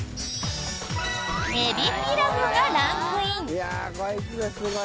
えびピラフがランクイン。